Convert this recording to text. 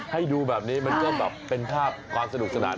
ให้ดูแบบนี้มันก็แบบเป็นภาพความสนุกสนาน